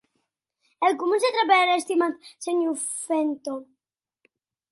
E com se trape er estimat senhor Fenton?